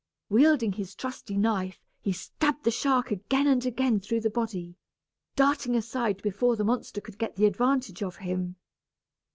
Wielding his trusty knife, he stabbed the shark again and again through the body, darting aside before the monster could get the advantage of him.